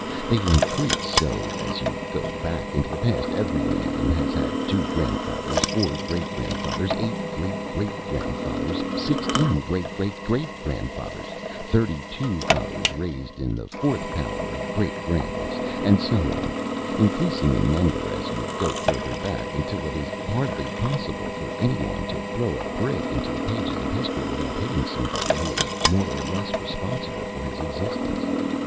They increase so as you go back into the past. Every man has had two grandfathers, four great grandfathers, eight great great grandfathers, sixteen great great great grandfathers, thirty two fathers raised to the fourth power of great grandness, and so on, increasing in number as you go further back, until it is hardly possible for any one to throw a brick into the pages of history without hitting somebody who is more or less responsible for his existence.